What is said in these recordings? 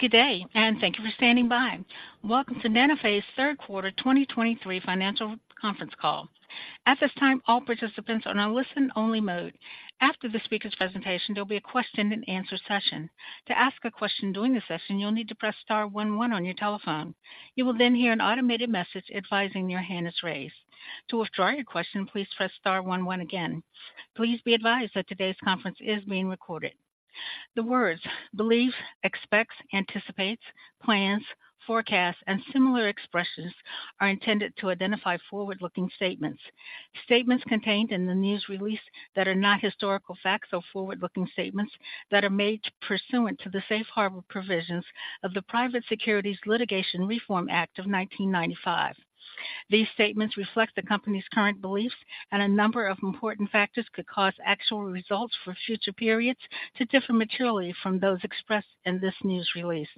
Good day, and thank you for standing by. Welcome to Nanophase's third quarter 2023 financial conference call. At this time, all participants are on a listen-only mode. After the speaker's presentation, there'll be a question-and-answer session. To ask a question during the session, you'll need to press star one one on your telephone. You will then hear an automated message advising your hand is raised. To withdraw your question, please press star one one again. Please be advised that today's conference is being recorded. The words believe, expects, anticipates, plans, forecasts, and similar expressions are intended to identify forward-looking statements. Statements contained in the news release that are not historical facts or forward-looking statements that are made pursuant to the Safe Harbor provisions of the Private Securities Litigation Reform Act of 1995. These statements reflect the company's current beliefs, and a number of important factors could cause actual results for future periods to differ materially from those expressed in this news release.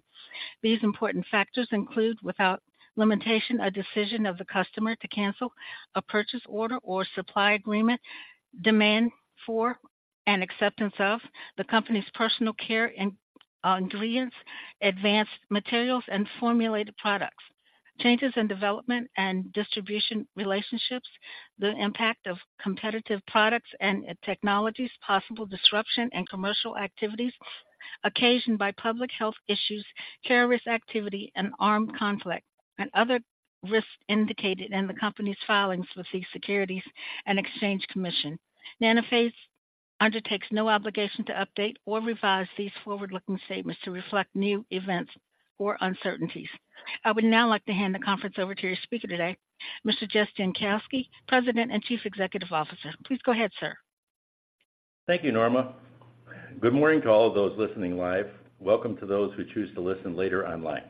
These important factors include, without limitation, a decision of the customer to cancel a purchase order or supply agreement, demand for and acceptance of the company's personal care ingredients, advanced materials, and formulated products, changes in development and distribution relationships, the impact of competitive products and technologies, possible disruption and commercial activities occasioned by public health issues, terrorist activity, and armed conflict, and other risks indicated in the company's filings with the Securities and Exchange Commission. Nanophase undertakes no obligation to update or revise these forward-looking statements to reflect new events or uncertainties. I would now like to hand the conference over to your speaker today, Mr. Jess Jankowski, President and Chief Executive Officer. Please go ahead, sir. Thank you, Norma. Good morning to all of those listening live. Welcome to those who choose to listen later online.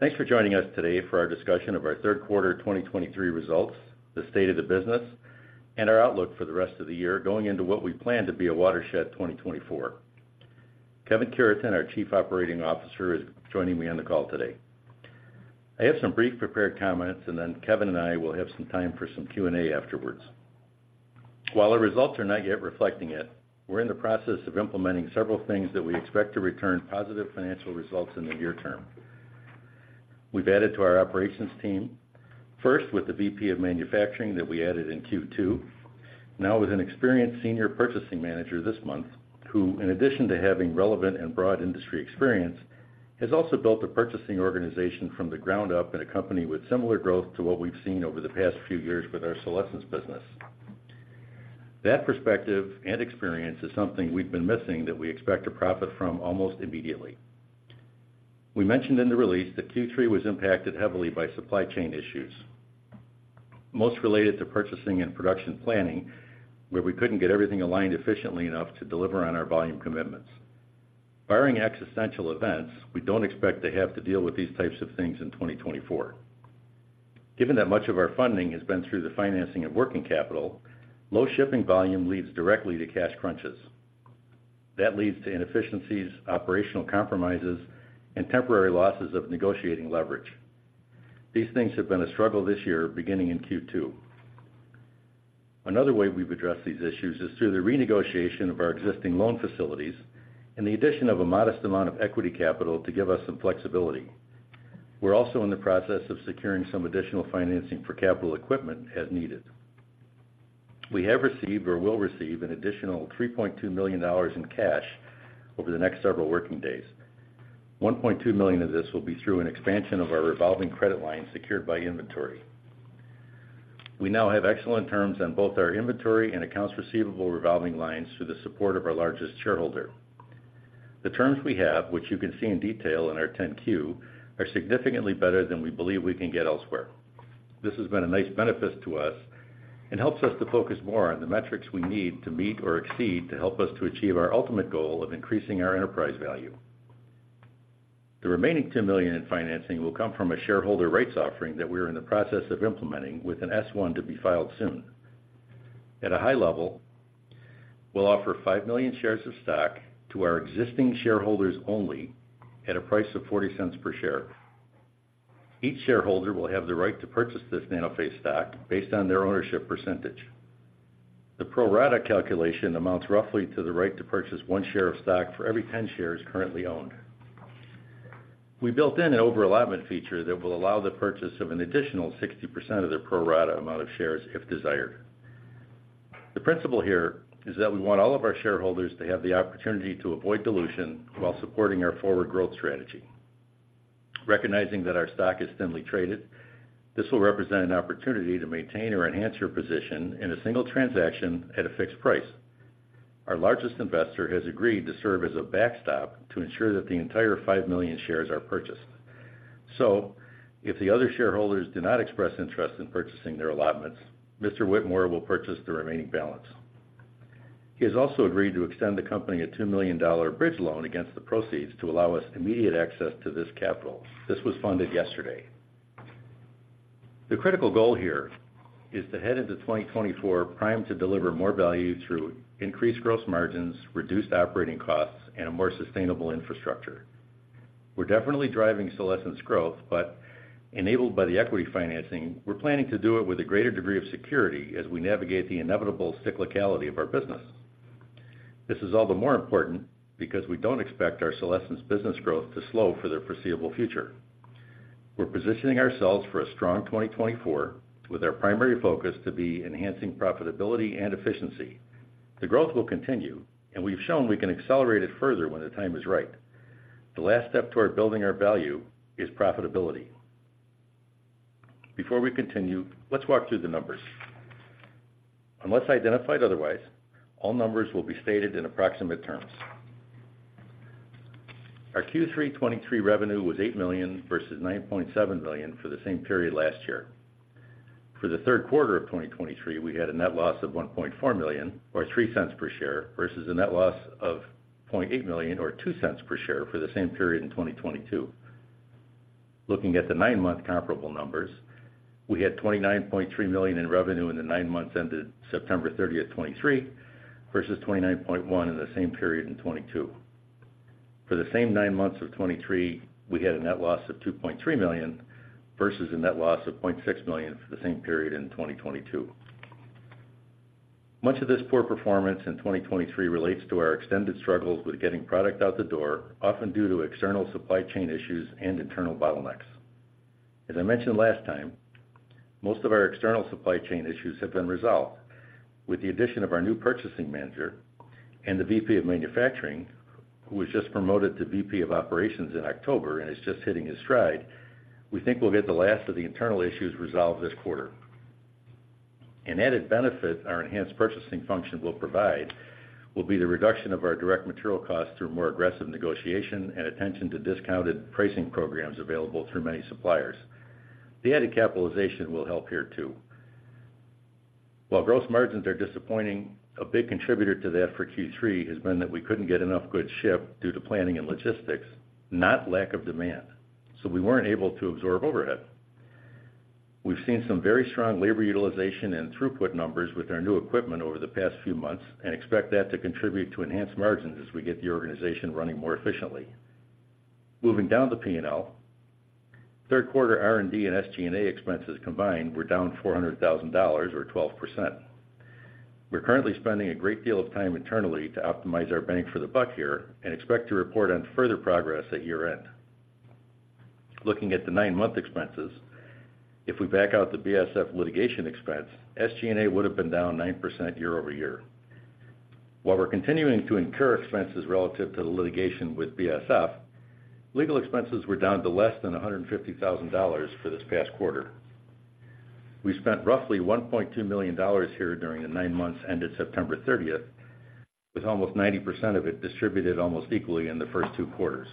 Thanks for joining us today for our discussion of our third quarter 2023 results, the state of the business, and our outlook for the rest of the year, going into what we plan to be a watershed 2024. Kevin Cureton, our Chief Operating Officer, is joining me on the call today. I have some brief prepared comments, and then Kevin and I will have some time for some Q&A afterwards. While our results are not yet reflecting it, we're in the process of implementing several things that we expect to return positive financial results in the near term. We've added to our operations team, first with the VP of manufacturing that we added in Q2, now with an experienced senior purchasing manager this month, who, in addition to having relevant and broad industry experience, has also built a purchasing organization from the ground up in a company with similar growth to what we've seen over the past few years with our Solésence business. That perspective and experience is something we've been missing that we expect to profit from almost immediately. We mentioned in the release that Q3 was impacted heavily by supply chain issues, most related to purchasing and production planning, where we couldn't get everything aligned efficiently enough to deliver on our volume commitments. Barring existential events, we don't expect to have to deal with these types of things in 2024. Given that much of our funding has been through the financing of working capital, low shipping volume leads directly to cash crunches. That leads to inefficiencies, operational compromises, and temporary losses of negotiating leverage. These things have been a struggle this year, beginning in Q2. Another way we've addressed these issues is through the renegotiation of our existing loan facilities and the addition of a modest amount of equity capital to give us some flexibility. We're also in the process of securing some additional financing for capital equipment as needed. We have received or will receive an additional $3.2 million in cash over the next several working days. $1.2 million of this will be through an expansion of our revolving credit line secured by inventory. We now have excellent terms on both our inventory and accounts receivable revolving lines through the support of our largest shareholder. The terms we have, which you can see in detail in our 10-Q, are significantly better than we believe we can get elsewhere. This has been a nice benefit to us and helps us to focus more on the metrics we need to meet or exceed to help us to achieve our ultimate goal of increasing our enterprise value. The remaining $2 million in financing will come from a shareholder rights offering that we are in the process of implementing with an S-1 to be filed soon. At a high level, we'll offer 5 million shares of stock to our existing shareholders only at a price of $0.40 per share. Each shareholder will have the right to purchase this Nanophase stock based on their ownership percentage. The pro rata calculation amounts roughly to the right to purchase one share of stock for every 10 shares currently owned. We built in an over allotment feature that will allow the purchase of an additional 60% of their pro rata amount of shares if desired. The principle here is that we want all of our shareholders to have the opportunity to avoid dilution while supporting our forward growth strategy. Recognizing that our stock is thinly traded, this will represent an opportunity to maintain or enhance your position in a single transaction at a fixed price. Our largest investor has agreed to serve as a backstop to ensure that the entire 5 million shares are purchased. If the other shareholders do not express interest in purchasing their allotments, Mr. Whitmore will purchase the remaining balance. He has also agreed to extend the company a $2 million bridge loan against the proceeds to allow us immediate access to this capital. This was funded yesterday. The critical goal here is to head into 2024, primed to deliver more value through increased gross margins, reduced operating costs, and a more sustainable infrastructure. We're definitely driving Solésence growth, but enabled by the equity financing, we're planning to do it with a greater degree of security as we navigate the inevitable cyclicality of our business. This is all the more important because we don't expect our Solésence business growth to slow for the foreseeable future. We're positioning ourselves for a strong 2024, with our primary focus to be enhancing profitability and efficiency. The growth will continue, and we've shown we can accelerate it further when the time is right. The last step toward building our value is profitability. Before we continue, let's walk through the numbers. Unless identified otherwise, all numbers will be stated in approximate terms. Our Q3 2023 revenue was $8 million versus $9.7 million for the same period last year. For the third quarter of 2023, we had a net loss of $1.4 million, or $0.03 per share, versus a net loss of $0.8 million, or $0.02 per share, for the same period in 2022. Looking at the nine-month comparable numbers, we had $29.3 million in revenue in the nine months ended September 30th, 2023, versus $29.1 million in the same period in 2022. For the same nine months of 2023, we had a net loss of $2.3 million, versus a net loss of $0.6 million for the same period in 2022. Much of this poor performance in 2023 relates to our extended struggles with getting product out the door, often due to external supply chain issues and internal bottlenecks. As I mentioned last time, most of our external supply chain issues have been resolved. With the addition of our new purchasing manager and the VP of Manufacturing, who was just promoted to VP of Operations in October and is just hitting his stride, we think we'll get the last of the internal issues resolved this quarter. An added benefit our enhanced purchasing function will provide will be the reduction of our direct material costs through more aggressive negotiation and attention to discounted pricing programs available through many suppliers. The added capitalization will help here too. While gross margins are disappointing, a big contributor to that for Q3 has been that we couldn't get enough good ship due to planning and logistics, not lack of demand, so we weren't able to absorb overhead. We've seen some very strong labor utilization and throughput numbers with our new equipment over the past few months and expect that to contribute to enhanced margins as we get the organization running more efficiently. Moving down the P&L, third quarter R&D and SG&A expenses combined were down $400,000 or 12%. We're currently spending a great deal of time internally to optimize our bang for the buck here and expect to report on further progress at year-end. Looking at the nine-month expenses, if we back out the BASF litigation expense, SG&A would have been down 9% year-over-year. While we're continuing to incur expenses relative to the litigation with BASF, legal expenses were down to less than $150,000 for this past quarter. We spent roughly $1.2 million here during the nine months ended September 30, with almost 90% of it distributed almost equally in the first two quarters.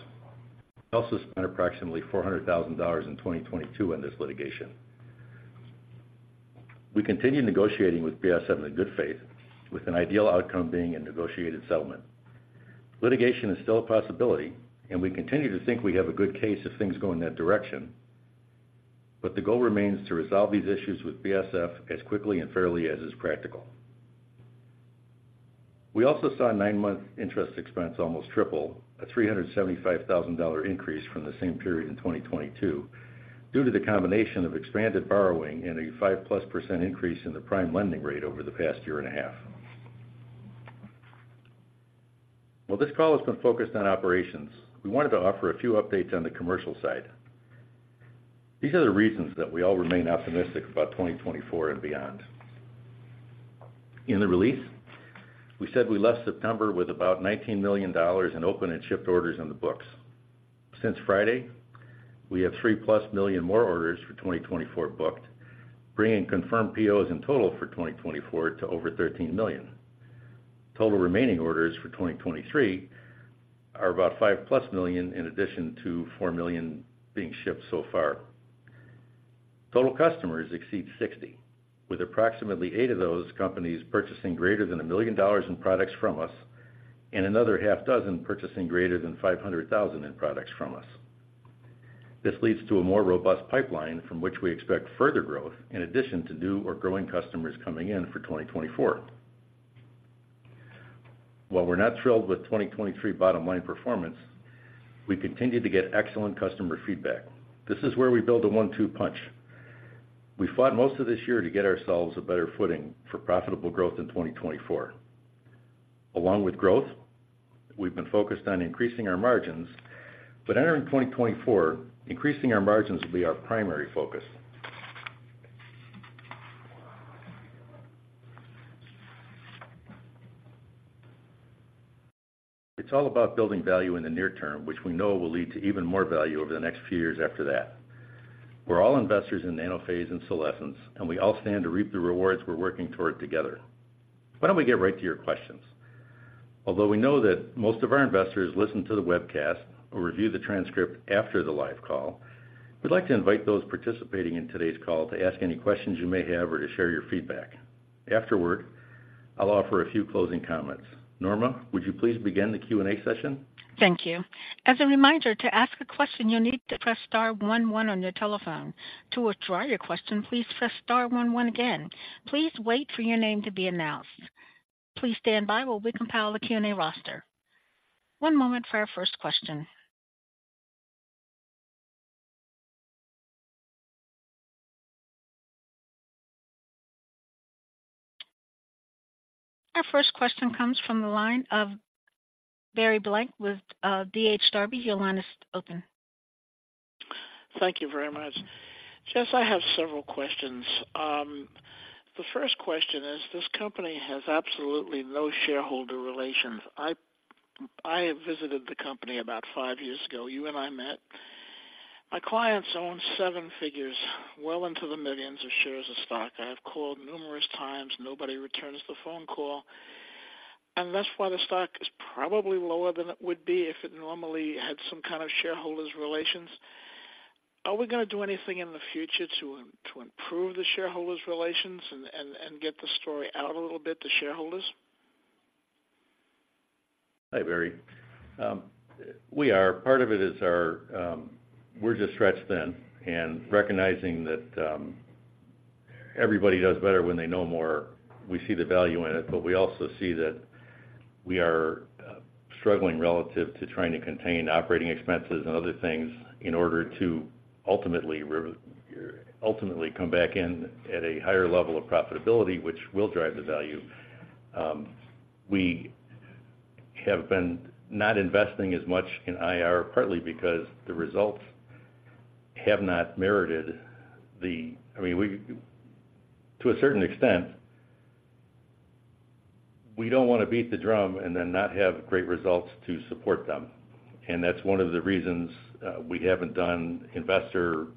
We also spent approximately $400,000 in 2022 on this litigation. We continue negotiating with BASF in good faith, with an ideal outcome being a negotiated settlement. Litigation is still a possibility, and we continue to think we have a good case if things go in that direction, but the goal remains to resolve these issues with BASF as quickly and fairly as is practical. We also saw 9-month interest expense almost triple, a $375,000 increase from the same period in 2022, due to the combination of expanded borrowing and a 5%+ increase in the prime lending rate over the past year and a half. While this call has been focused on operations, we wanted to offer a few updates on the commercial side. These are the reasons that we all remain optimistic about 2024 and beyond. In the release, we said we left September with about $19 million in open and shipped orders on the books. Since Friday, we have $3+ million more orders for 2024 booked, bringing confirmed POs in total for 2024 to over $13 million. Total remaining orders for 2023 are about $5+ million, in addition to $4 million being shipped so far. Total customers exceed 60, with approximately 8 of those companies purchasing greater than $1 million in products from us and another 6 purchasing greater than $500,000 in products from us. This leads to a more robust pipeline from which we expect further growth, in addition to new or growing customers coming in for 2024. While we're not thrilled with 2023 bottom line performance, we continue to get excellent customer feedback. This is where we build a 1-2 punch. We fought most of this year to get ourselves a better footing for profitable growth in 2024. Along with growth, we've been focused on increasing our margins, but entering 2024, increasing our margins will be our primary focus. It's all about building value in the near term, which we know will lead to even more value over the next few years after that. We're all investors in Nanophase and Solésence, and we all stand to reap the rewards we're working toward together. Why don't we get right to your questions? Although we know that most of our investors listen to the webcast or review the transcript after the live call, we'd like to invite those participating in today's call to ask any questions you may have or to share your feedback. Afterward, I'll offer a few closing comments. Norma, would you please begin the Q&A session? Thank you. As a reminder, to ask a question, you'll need to press star one one on your telephone. To withdraw your question, please press star one one again. Please wait for your name to be announced. Please stand by while we compile the Q&A roster. One moment for our first question. Our first question comes from the line of Barry Blank with J.H. Darbie Your line is open. Thank you very much. Jess, I have several questions. The first question is, this company has absolutely no shareholder relations. I, I have visited the company about five years ago. You and I met. My clients own seven figures, well into the millions of shares of stock. I have called numerous times, nobody returns the phone call, and that's why the stock is probably lower than it would be if it normally had some kind of shareholders relations. Are we gonna do anything in the future to, to improve the shareholders relations and, and, and get the story out a little bit to shareholders? Hi, Barry. We are... Part of it is our, we're just stretched thin and recognizing that, everybody does better when they know more. We see the value in it, but we also see that we are, struggling relative to trying to contain operating expenses and other things in order to ultimately ultimately come back in at a higher level of profitability, which will drive the value. We have been not investing as much in IR, partly because the results have not merited the-- I mean, we, to a certain extent, we don't want to beat the drum and then not have great results to support them. And that's one of the reasons, we haven't done investor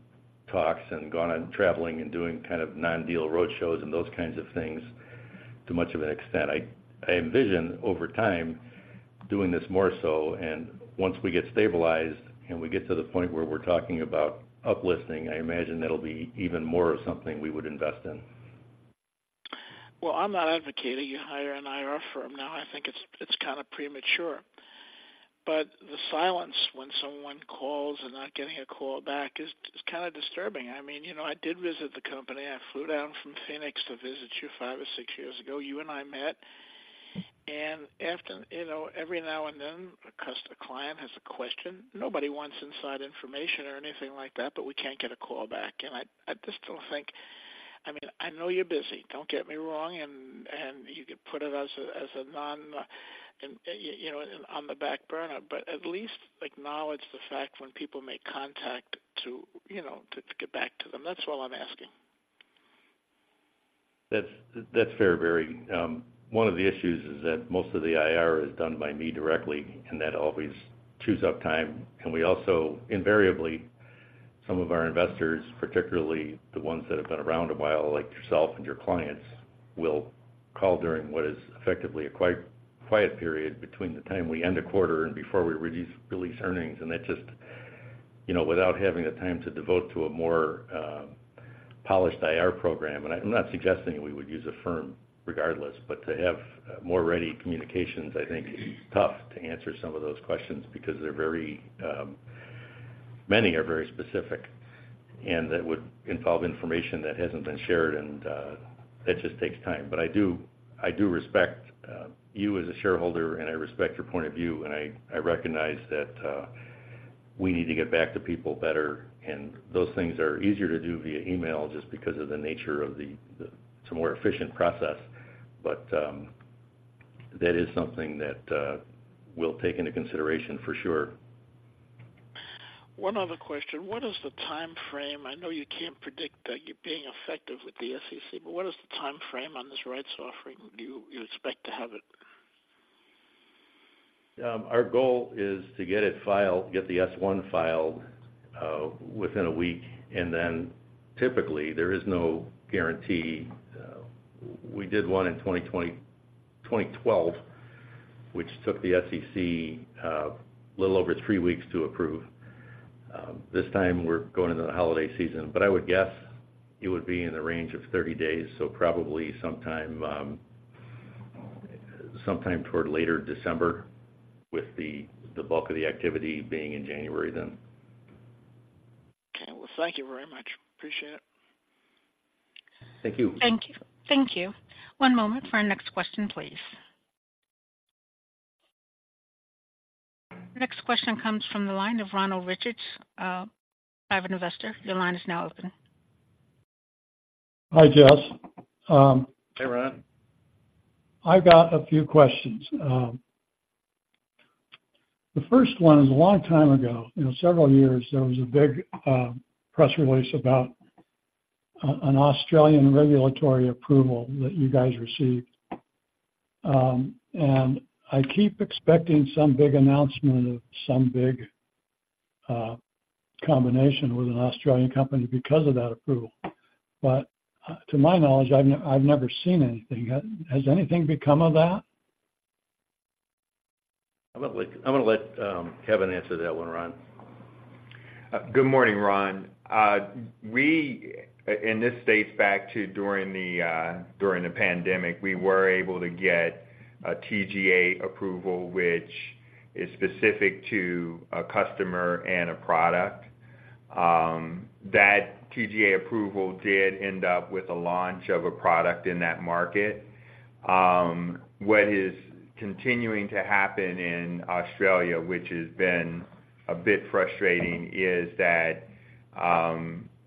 talks and gone on traveling and doing kind of non-deal road shows and those kinds of things to much of an extent. I envision over time doing this more so, and once we get stabilized and we get to the point where we're talking about uplisting, I imagine that'll be even more of something we would invest in. Well, I'm not advocating you hire an IR firm now. I think it's kind of premature. But the silence when someone calls and not getting a call back is kind of disturbing. I mean, you know, I did visit the company. I flew down from Phoenix to visit you 5 or 6 years ago. You and I met, and after... You know, every now and then, a client has a question. Nobody wants inside information or anything like that, but we can't get a call back. And I just don't think... I mean, I know you're busy. Don't get me wrong, and you could put it as a non- and, you know, on the back burner, but at least acknowledge the fact when people make contact to, you know, to get back to them. That's all I'm asking. That's fair, Barry. One of the issues is that most of the IR is done by me directly, and that always chews up time. And we also, invariably, some of our investors, particularly the ones that have been around a while, like yourself and your clients, will call during what is effectively a quiet period between the time we end a quarter and before we release earnings. And that just, you know, without having the time to devote to a more polished IR program, and I'm not suggesting we would use a firm regardless, but to have more ready communications, I think, is tough to answer some of those questions because they're very, many are very specific, and that would involve information that hasn't been shared, and that just takes time. But I do, I do respect you as a shareholder, and I respect your point of view, and I recognize that we need to get back to people better, and those things are easier to do via email just because of the nature of the. It's a more efficient process, but that is something that we'll take into consideration for sure. One other question: What is the timeframe? I know you can't predict, you being effective with the SEC, but what is the timeframe on this rights offering? Do you expect to have it? Our goal is to get it filed, get the S-1 filed, within a week, and then typically, there is no guarantee. We did one in 2020, 2012, which took the SEC little over three weeks to approve. This time we're going into the holiday season, but I would guess it would be in the range of 30 days, so probably sometime, sometime toward later December, with the bulk of the activity being in January then. Okay. Well, thank you very much. Appreciate it. Thank you. Thank you. Thank you. One moment for our next question, please. Next question comes from the line of Ronald Richards, private investor. Your line is now open. Hi, Jess. Hey, Ron. I've got a few questions. The first one is, a long time ago, you know, several years, there was a big press release about an Australian regulatory approval that you guys received. And I keep expecting some big announcement of some big combination with an Australian company because of that approval. But to my knowledge, I've never seen anything. Has anything become of that? I'm gonna let Kevin answer that one, Ron. Good morning, Ron. And this dates back to during the pandemic, we were able to get a TGA approval, which is specific to a customer and a product. That TGA approval did end up with a launch of a product in that market. What is continuing to happen in Australia, which has been a bit frustrating, is that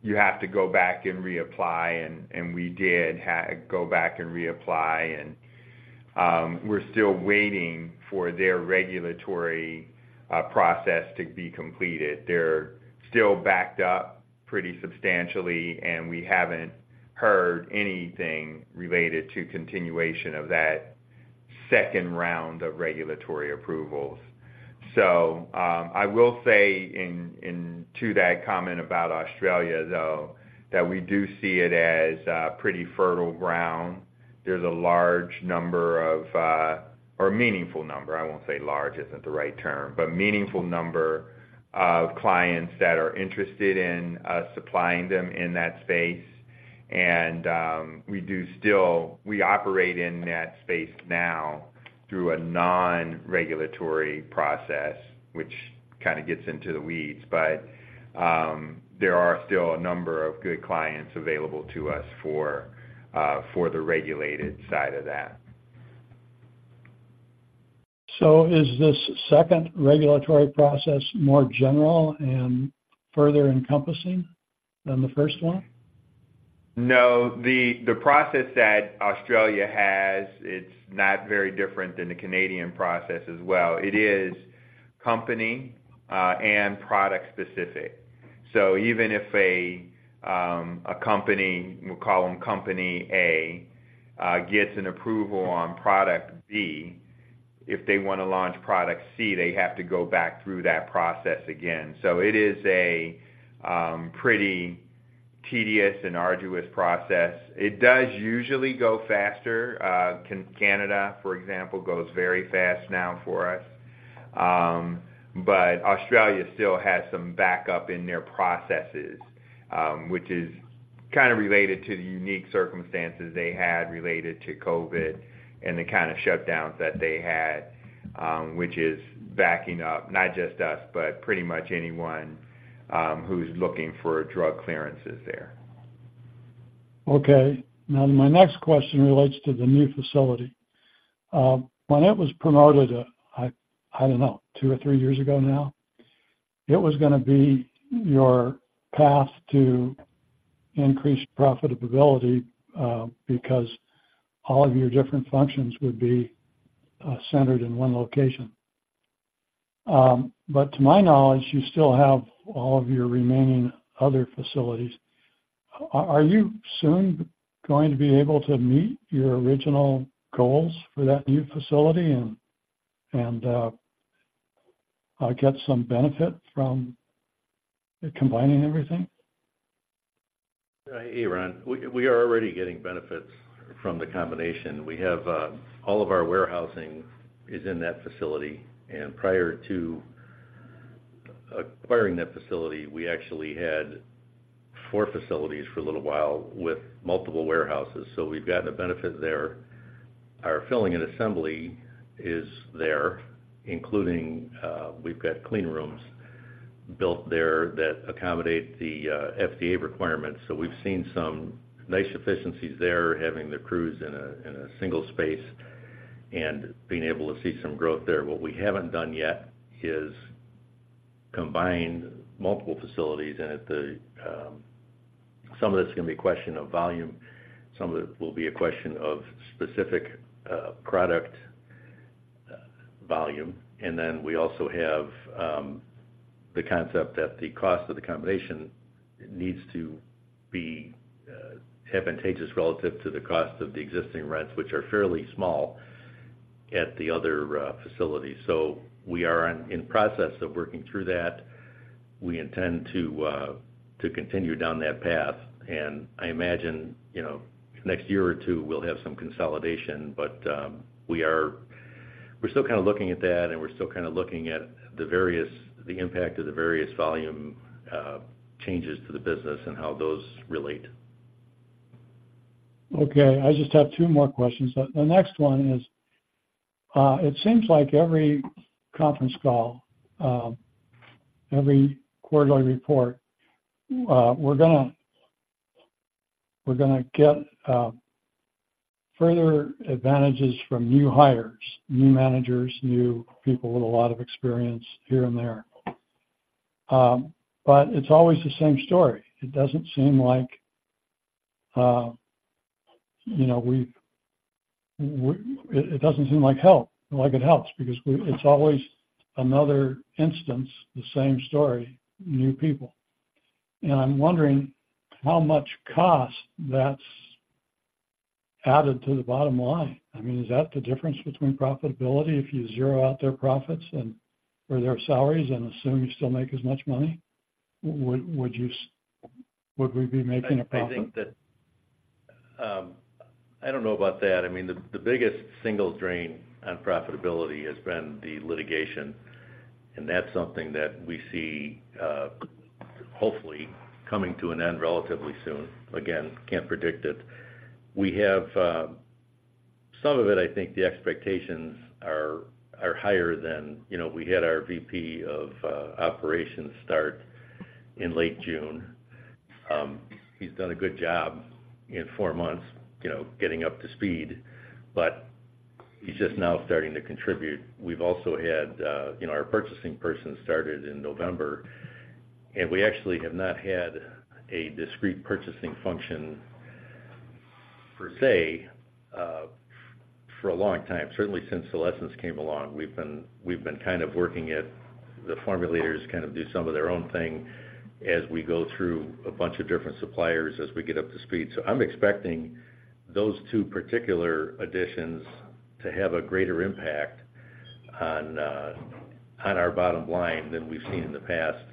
you have to go back and reapply, and we did go back and reapply, and we're still waiting for their regulatory process to be completed. They're still backed up pretty substantially, and we haven't heard anything related to continuation of that second round of regulatory approvals. So, I will say, to that comment about Australia, though, that we do see it as pretty fertile ground. There's a large number of, or meaningful number. I won't say large, isn't the right term, but meaningful number of clients that are interested in us supplying them in that space. And, we still operate in that space now through a non-regulatory process, which kind of gets into the weeds. But, there are still a number of good clients available to us for the regulated side of that. Is this second regulatory process more general and further encompassing than the first one? No, the process that Australia has, it's not very different than the Canadian process as well. It is company and product specific. So even if a company, we'll call them company A, gets an approval on product B, if they want to launch product C, they have to go back through that process again. So it is a pretty tedious and arduous process. It does usually go faster. Canada, for example, goes very fast now for us. But Australia still has some backup in their processes, which is kind of related to the unique circumstances they had related to COVID and the kind of shutdowns that they had, which is backing up, not just us, but pretty much anyone who's looking for drug clearances there. Okay. Now, my next question relates to the new facility. When it was promoted, I don't know, two or three years ago now, it was gonna be your path to increased profitability, because all of your different functions would be centered in one location. But to my knowledge, you still have all of your remaining other facilities. Are you soon going to be able to meet your original goals for that new facility and get some benefit from combining everything? Hey, Ron, we are already getting benefits from the combination. We have all of our warehousing is in that facility, and prior to acquiring that facility, we actually had 4 facilities for a little while with multiple warehouses, so we've gotten a benefit there. Our filling and assembly is there, including we've got clean rooms built there that accommodate the FDA requirements. So we've seen some nice efficiencies there, having the crews in a single space and being able to see some growth there. What we haven't done yet is combined multiple facilities, and at the some of it's gonna be a question of volume, some of it will be a question of specific product volume. And then we also have the concept that the cost of the combination needs to be advantageous relative to the cost of the existing rents, which are fairly small at the other facility. So we are in process of working through that. We intend to continue down that path, and I imagine, you know, next year or two, we'll have some consolidation, but we're still kind of looking at that, and we're still kind of looking at the impact of the various volume changes to the business and how those relate. Okay, I just have two more questions. The next one is, it seems like every conference call, every quarterly report, we're gonna get further advantages from new hires, new managers, new people with a lot of experience here and there. But it's always the same story. It doesn't seem like, you know, it doesn't seem like help, like it helps, because it's always another instance, the same story, new people. And I'm wondering how much cost that's added to the bottom line. I mean, is that the difference between profitability if you zero out their profits and, or their salaries and assume you still make as much money? Would we be making a profit? I think that, I don't know about that. I mean, the biggest single drain on profitability has been the litigation, and that's something that we see, hopefully coming to an end relatively soon. Again, can't predict it. We have some of it, I think, the expectations are higher than... You know, we had our VP of operations start in late June. He's done a good job in four months, you know, getting up to speed, but he's just now starting to contribute. We've also had, you know, our purchasing person started in November. And we actually have not had a discrete purchasing function per se for a long time. Certainly, since the lessons came along, we've been kind of working at the formulators, kind of do some of their own thing as we go through a bunch of different suppliers as we get up to speed. So I'm expecting those two particular additions to have a greater impact on our bottom line than we've seen in the past.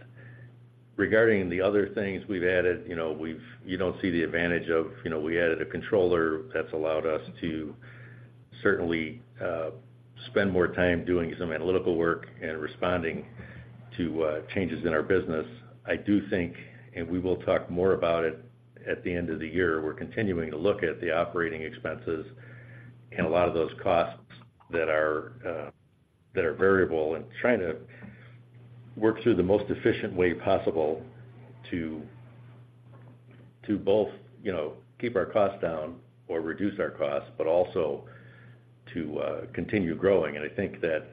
Regarding the other things we've added, you know, you don't see the advantage of, you know, we added a controller that's allowed us to certainly spend more time doing some analytical work and responding to changes in our business. I do think, and we will talk more about it at the end of the year, we're continuing to look at the operating expenses and a lot of those costs that are that are variable and trying to work through the most efficient way possible to, to both, you know, keep our costs down or reduce our costs, but also to continue growing. I think that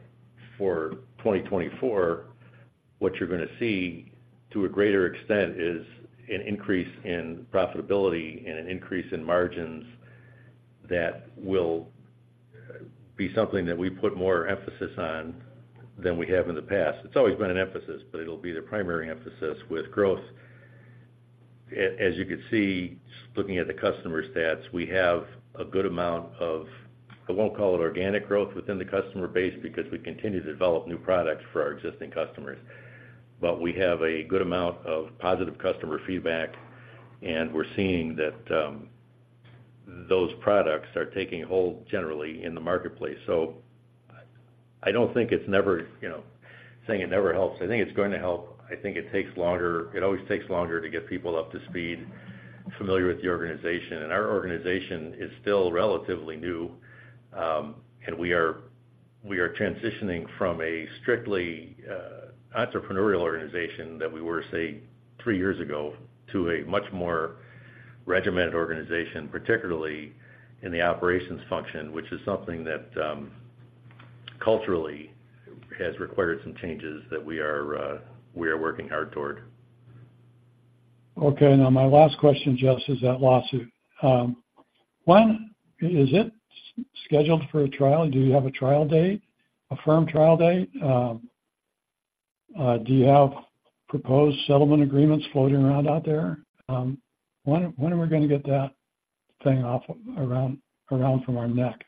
for 2024, what you're gonna see to a greater extent is an increase in profitability and an increase in margins. That will be something that we put more emphasis on than we have in the past. It's always been an emphasis, but it'll be the primary emphasis with growth. As you can see, looking at the customer stats, we have a good amount of, I won't call it organic growth within the customer base, because we continue to develop new products for our existing customers. But we have a good amount of positive customer feedback, and we're seeing that those products are taking hold generally in the marketplace. So I don't think it's never, you know, saying it never helps. I think it's going to help. I think it takes longer. It always takes longer to get people up to speed, familiar with the organization, and our organization is still relatively new, and we are transitioning from a strictly entrepreneurial organization that we were, say, three years ago, to a much more regimented organization, particularly in the operations function, which is something that, culturally has required some changes that we are working hard toward. Okay. Now, my last question, Jess, is that lawsuit. When is it scheduled for a trial? Do you have a trial date, a firm trial date? Do you have proposed settlement agreements floating around out there? When, when are we gonna get that thing off around, around from our neck?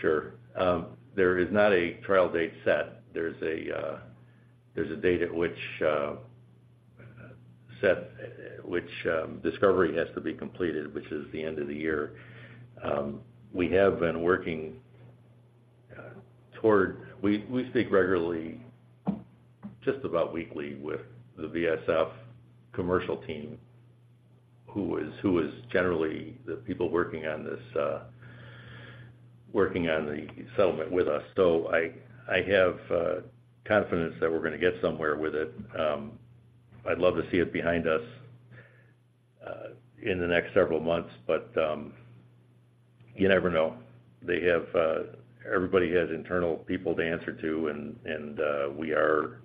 Sure. There is not a trial date set. There's a date at which discovery has to be completed, which is the end of the year. We have been working toward. We speak regularly, just about weekly, with the BASF commercial team, who is generally the people working on this, working on the settlement with us. So I have confidence that we're gonna get somewhere with it. I'd love to see it behind us in the next several months, but you never know. They have everybody has internal people to answer to, and we are,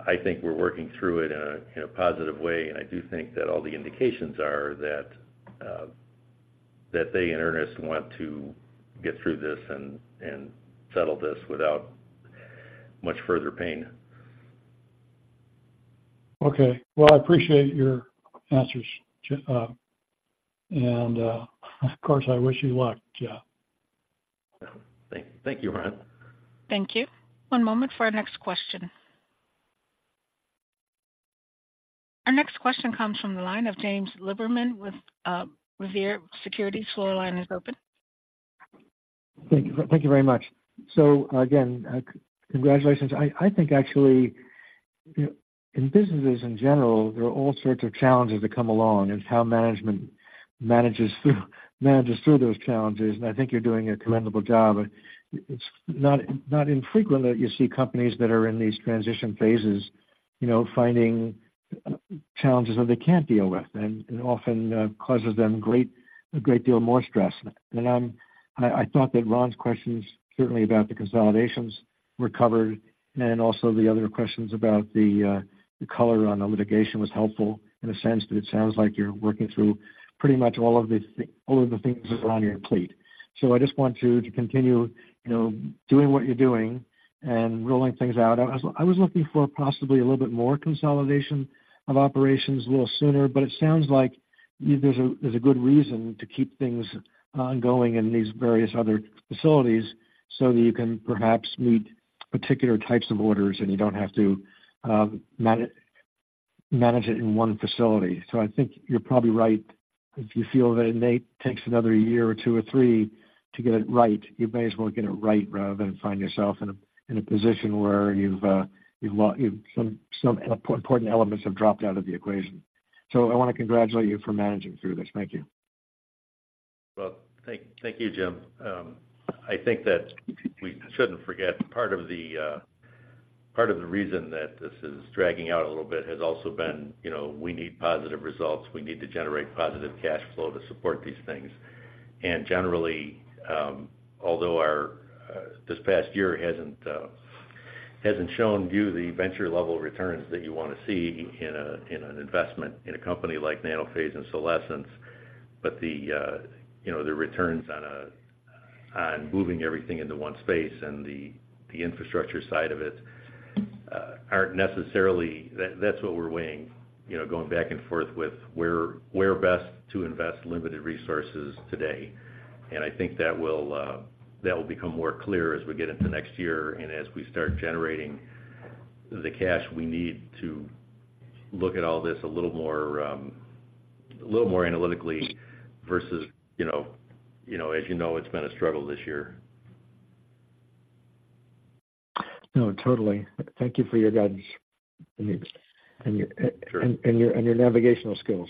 I think we're working through it in a positive way. I do think that all the indications are that that they in earnest want to get through this and settle this without much further pain. Okay. Well, I appreciate your answers, Jess, and, of course, I wish you luck, Jess. Thank you, Ron. Thank you. One moment for our next question. Our next question comes from the line of James Lieberman with Revere Securities. Your line is open. Thank you. Thank you very much. So again, congratulations. I think actually, you know, in businesses in general, there are all sorts of challenges that come along, and it's how management manages through those challenges, and I think you're doing a commendable job. It's not infrequent that you see companies that are in these transition phases, you know, finding challenges that they can't deal with, and it often causes them a great deal more stress. I thought that Ron's questions, certainly about the consolidations, were covered, and then also the other questions about the color on the litigation were helpful in a sense, but it sounds like you're working through pretty much all of the things that are on your plate. So I just want you to continue, you know, doing what you're doing and rolling things out. I was looking for possibly a little bit more consolidation of operations a little sooner, but it sounds like there's a good reason to keep things going in these various other facilities, so that you can perhaps meet particular types of orders, and you don't have to manage it in one facility. So I think you're probably right. If you feel that it may takes another year or two or three to get it right, you may as well get it right rather than find yourself in a position where some important elements have dropped out of the equation. So I want to congratulate you for managing through this. Thank you. Well, thank you, Jim. I think that we shouldn't forget, part of the reason that this is dragging out a little bit has also been, you know, we need positive results. We need to generate positive cash flow to support these things... And generally, although our this past year hasn't shown you the venture-level returns that you want to see in a, in an investment in a company like Nanophase and Solésence, but the, you know, the returns on, on moving everything into one space and the infrastructure side of it, aren't necessarily-- That's what we're weighing, you know, going back and forth with where best to invest limited resources today. I think that will become more clear as we get into next year and as we start generating the cash we need to look at all this a little more analytically versus, you know, you know, as you know, it's been a struggle this year. No, totally. Thank you for your guidance and your Sure. And your navigational skills.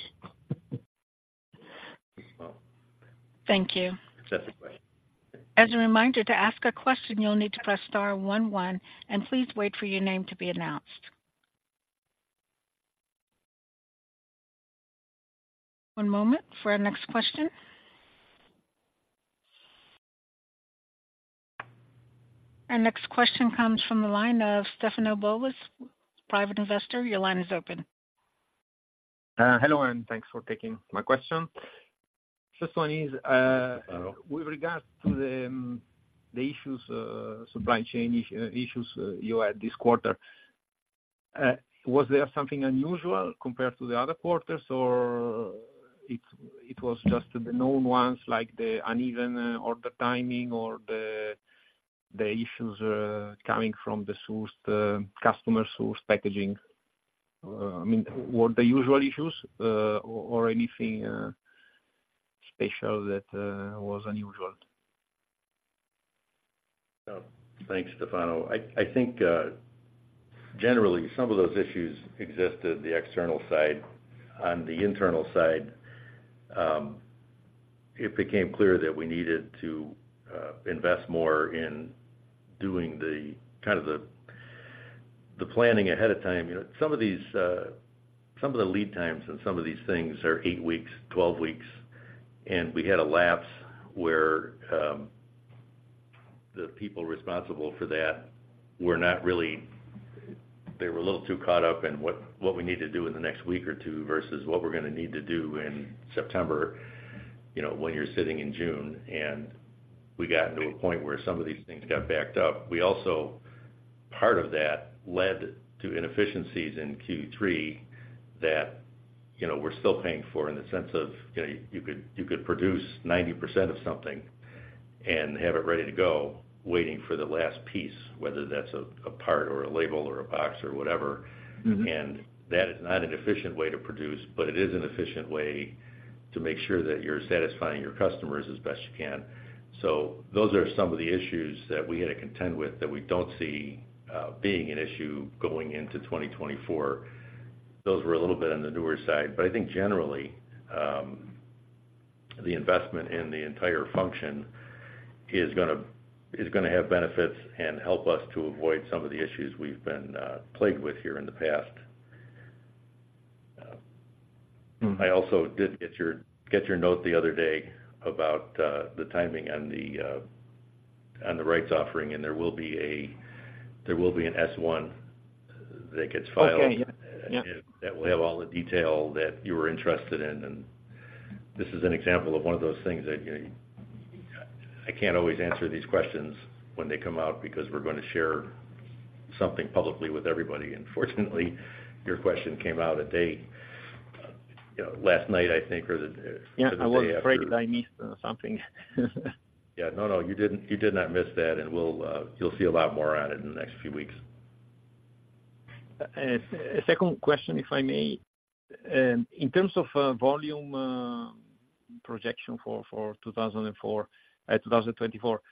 Thank you. Sure. As a reminder, to ask a question, you'll need to press star one, one, and please wait for your name to be announced. One moment for our next question. Our next question comes from the line of Stefano Bolas, private investor. Your line is open. Hello, and thanks for taking my question. First one is, Hello. With regards to the issues, supply chain issues you had this quarter, was there something unusual compared to the other quarters, or it was just the known ones, like the uneven order timing or the issues coming from the source, the customer source packaging? I mean, were the usual issues, or anything special that was unusual? Thanks, Stefano. I think generally some of those issues existed the external side. On the internal side, it became clear that we needed to invest more in doing the kind of the planning ahead of time. You know, some of these some of the lead times on some of these things are 8 weeks, 12 weeks, and we had a lapse where the people responsible for that were not really... They were a little too caught up in what we need to do in the next week or two versus what we're gonna need to do in September, you know, when you're sitting in June, and we gotten to a point where some of these things got backed up. We also. Part of that led to inefficiencies in Q3 that, you know, we're still paying for in the sense of, you know, you could produce 90% of something and have it ready to go, waiting for the last piece, whether that's a part, or a label, or a box, or whatever. Mm-hmm. That is not an efficient way to produce, but it is an efficient way to make sure that you're satisfying your customers as best you can. Those are some of the issues that we had to contend with, that we don't see being an issue going into 2024. Those were a little bit on the newer side, but I think generally, the investment in the entire function is gonna, is gonna have benefits and help us to avoid some of the issues we've been plagued with here in the past. Mm-hmm. I also did get your note the other day about the timing on the rights offering, and there will be an S-1 that gets filed. Okay. Yeah. That will have all the detail that you were interested in, and this is an example of one of those things that, you know, I can't always answer these questions when they come out because we're going to share something publicly with everybody. And fortunately, your question came out a day, you know, last night, I think, or the. Yeah- The day after. I was afraid I missed something. Yeah. No, no, you didn't- you did not miss that, and we'll, you'll see a lot more on it in the next few weeks. Second question, if I may. In terms of volume projection for 2004, 2024,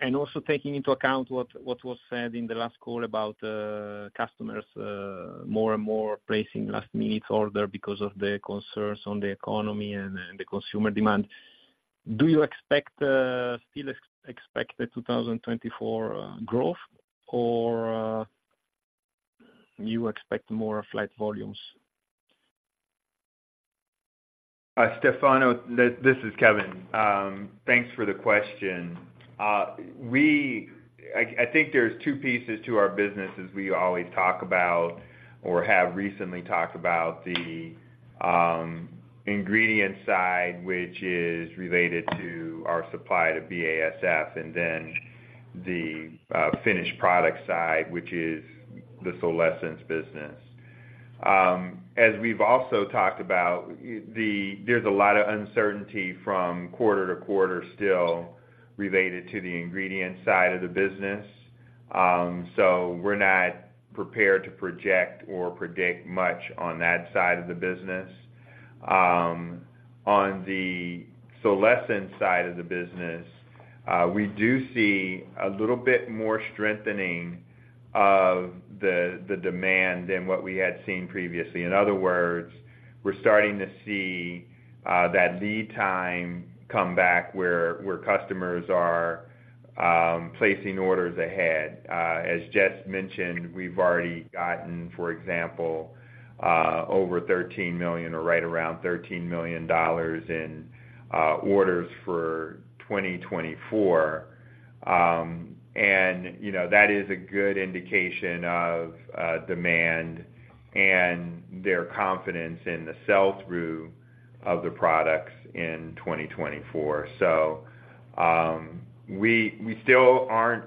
and also taking into account what was said in the last call about customers more and more placing last minute order because of the concerns on the economy and the consumer demand, do you expect still expect the 2024 growth, or you expect more flat volumes? Stefano, this is Kevin. Thanks for the question. I think there's two pieces to our business, as we always talk about or have recently talked about, the ingredient side, which is related to our supply to BASF, and then the finished product side, which is the Solésence business. As we've also talked about, there's a lot of uncertainty from quarter to quarter still related to the ingredient side of the business. So we're not prepared to project or predict much on that side of the business. On the Solésence side of the business, we do see a little bit more strengthening of the demand than what we had seen previously. In other words, we're starting to see that lead time come back, where customers are placing orders ahead. As Jess mentioned, we've already gotten, for example, over $13 million or right around $13 million in orders for 2024. And, you know, that is a good indication of demand and their confidence in the sell-through of the products in 2024. So, we still aren't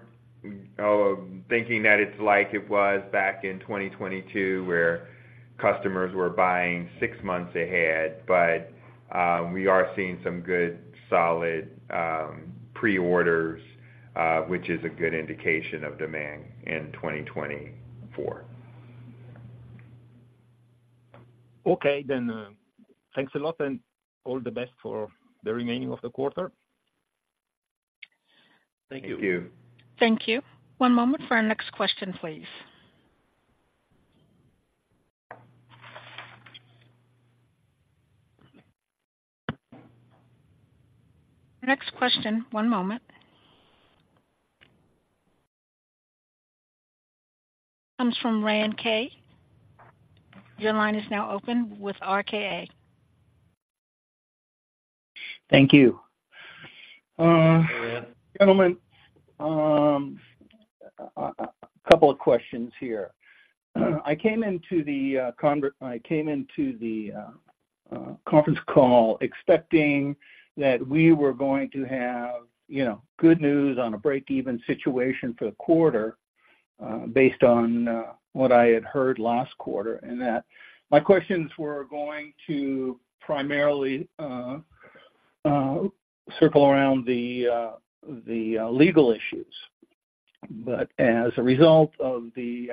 thinking that it's like it was back in 2022, where customers were buying six months ahead, but we are seeing some good solid pre-orders, which is a good indication of demand in 2024. Okay, then, thanks a lot and all the best for the remaining of the quarter. Thank you. Thank you. One moment for our next question, please. Next question, one moment. Comes from Rand K. Your line is now open with RKA. Thank you. Gentlemen, a couple of questions here. I came into the conference call expecting that we were going to have, you know, good news on a break-even situation for the quarter, based on what I had heard last quarter, and that my questions were going to primarily circle around the legal issues. But as a result of the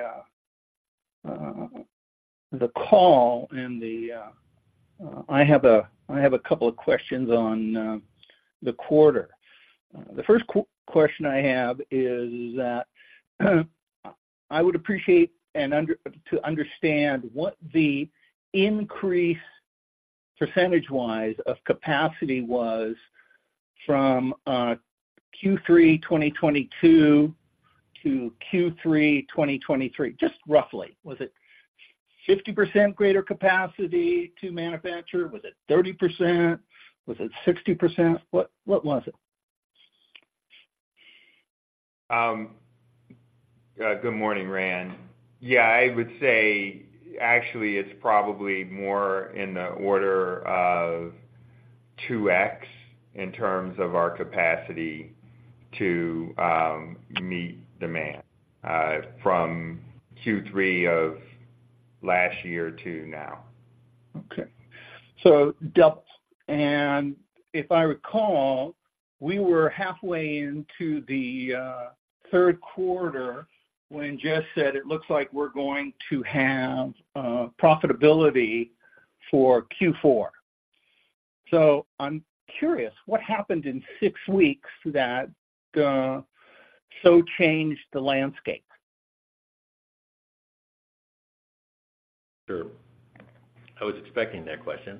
call and the, I have a couple of questions on the quarter. The first question I have is that, I would appreciate to understand what the increase percentage-wise of capacity was from Q3, 2022 to Q3, 2023. Just roughly, was it 50% greater capacity to manufacture? Was it 30%? Was it 60%? What, what was it? Good morning, Rand. Yeah, I would say actually it's probably more in the order of 2x in terms of our capacity to meet demand from Q3 of last year to now. Okay. And if I recall, we were halfway into the third quarter when Jess said it looks like we're going to have profitability for Q4. So I'm curious, what happened in six weeks that so changed the landscape? Sure. I was expecting that question.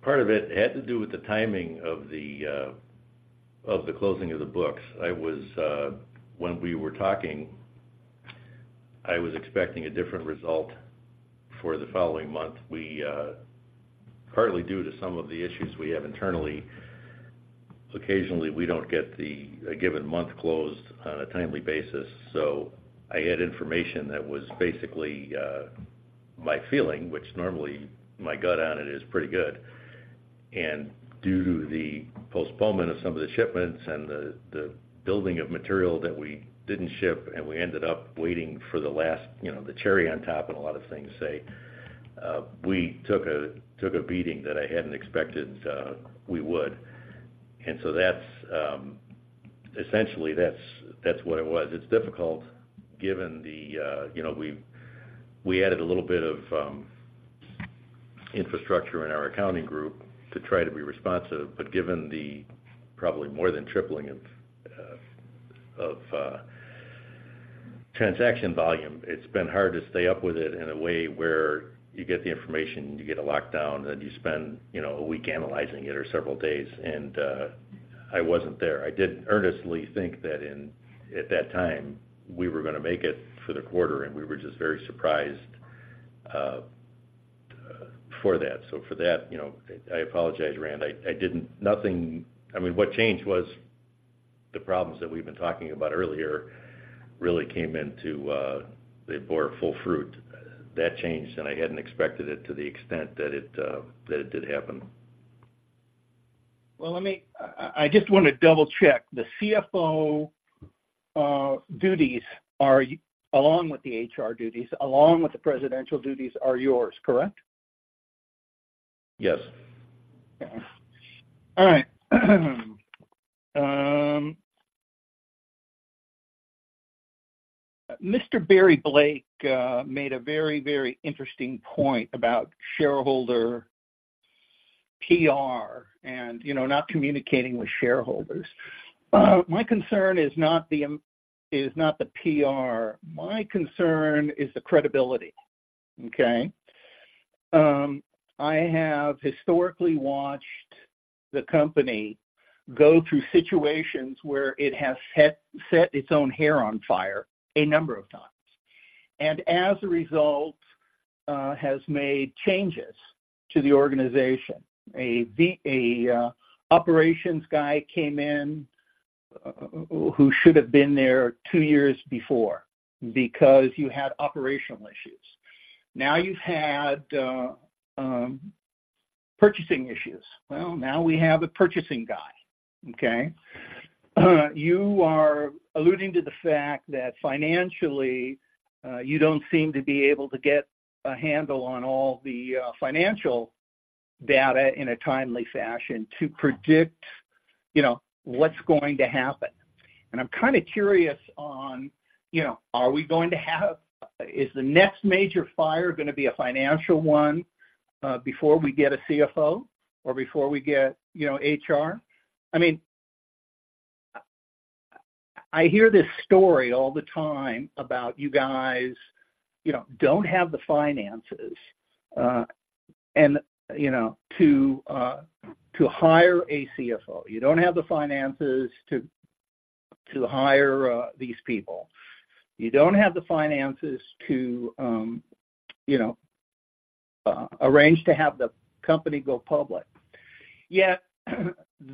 Part of it had to do with the timing of the closing of the books. I was, when we were talking, I was expecting a different result for the following month. We, partly due to some of the issues we have internally, occasionally, we don't get the, a given month closed on a timely basis. So I had information that was basically, my feeling, which normally my gut on it is pretty good. And due to the postponement of some of the shipments and the, the building of material that we didn't ship, and we ended up waiting for the last, you know, the cherry on top, and a lot of things say, we took a, took a beating that I hadn't expected, we would. And so that's, essentially, that's, that's what it was. It's difficult given the, you know, we've added a little bit of infrastructure in our accounting group to try to be responsive, but given the probably more than tripling of transaction volume, it's been hard to stay up with it in a way where you get the information, you get a lockdown, and you spend, you know, a week analyzing it, or several days, and I wasn't there. I did earnestly think that, at that time, we were gonna make it for the quarter, and we were just very surprised for that. So for that, you know, I apologize, Rand. I didn't. Nothing, I mean, what changed was the problems that we've been talking about earlier really came into, they bore full fruit. That changed, and I hadn't expected it to the extent that it did happen. Well, let me... I just want to double-check. The CFO duties are, along with the HR duties, along with the presidential duties, are yours, correct? Yes. All right. Mr. Barry Blank made a very, very interesting point about shareholder PR and, you know, not communicating with shareholders. My concern is not the PR, my concern is the credibility, okay? I have historically watched the company go through situations where it has set its own hair on fire a number of times. And as a result, has made changes to the organization. An operations guy came in, who should have been there two years before, because you had operational issues. Now you've had purchasing issues. Well, now we have a purchasing guy, okay? You are alluding to the fact that financially, you don't seem to be able to get a handle on all the financial data in a timely fashion to predict, you know, what's going to happen. I'm kinda curious on, you know, are we going to have— Is the next major fire gonna be a financial one before we get a CFO or before we get, you know, HR? I mean, I hear this story all the time about you guys, you know, don't have the finances and, you know, to hire a CFO. You don't have the finances to hire these people. You don't have the finances to, you know, arrange to have the company go public. Yet,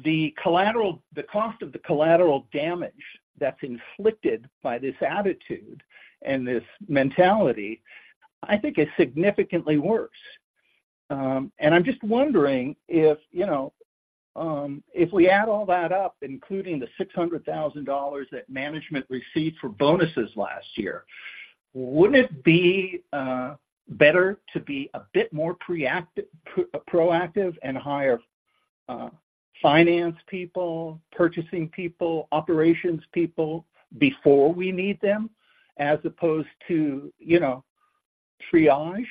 the collateral— the cost of the collateral damage that's inflicted by this attitude and this mentality, I think is significantly worse. And I'm just wondering if, you know, if we add all that up, including the $600,000 that management received for bonuses last year, wouldn't it be better to be a bit more proactive and hire finance people, purchasing people, operations people, before we need them, as opposed to, you know, triage?